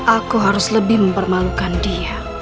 aku harus lebih mempermalukan dia